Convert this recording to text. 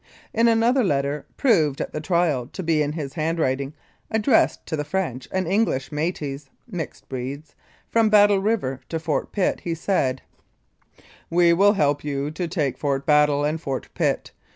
In another letter, proved at the trial to be in his handwriting, addressed to the French and English "metis" (mixed breeds) from Battle River to Fort Pitt, he said : "We will help you to take Fort Battle and Fort Pitt.